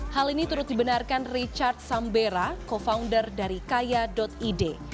hal ini turut dibenarkan richard sambera co founder dari kaya id